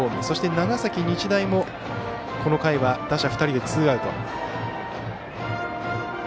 そして長崎日大もこの回は打者２人でツーアウト。